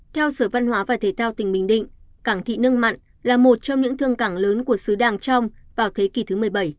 theo sở văn hóa và thể thao tỉnh bình định cảng thị nâng mặn là một trong những thương cảng lớn của xứ đàng trong vào thế kỷ thứ một mươi bảy